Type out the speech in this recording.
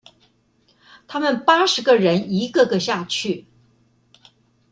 他們八十個人一個個下去